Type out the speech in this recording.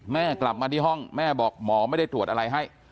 แม่กลับมาที่ห้องแม่บอกหมอไม่ได้ตรวจอะไรให้